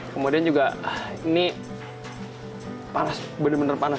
kemudian juga ini panas bener bener panas